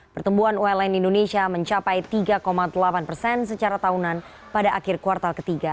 pertumbuhan uln indonesia mencapai tiga delapan persen secara tahunan pada akhir kuartal ketiga